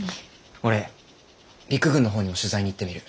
俺陸軍の方にも取材に行ってみる。